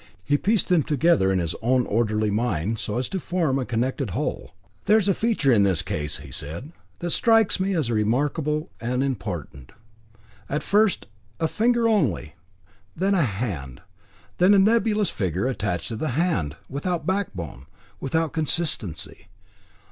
He pieced them together in his own orderly mind, so as to form a connected whole. "There is a feature in the case," said he, "that strikes me as remarkable and important. At first a finger only, then a hand, then a nebulous figure attached to the hand, without backbone, without consistency.